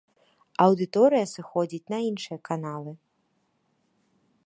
Аўдыторыя сыходзіць на іншыя каналы.